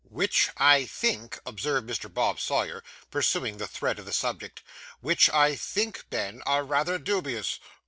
'Which, I think,' observed Mr. Bob Sawyer, pursuing the thread of the subject 'which, I think, Ben, are rather dubious.